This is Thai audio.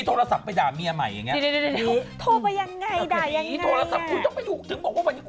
โทรไปยังไงด่ายังไง